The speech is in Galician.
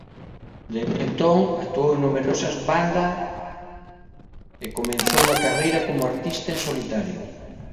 Dende entón actuou en numerosas banda e comezou unha carreira como artista en solitario.